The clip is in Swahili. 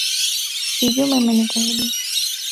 Bi Juma amenikaribisha.